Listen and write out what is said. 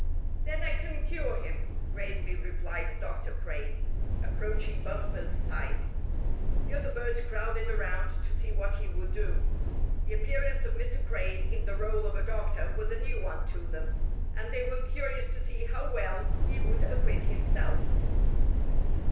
"Then I can cure him," gravely replied Dr. Crane, approaching Bumper's side. The other birds crowded around to see what he would do. The appearance of Mr. Crane in the rôle of a doctor was a new one to them, and they were curious to see how well he would acquit himself.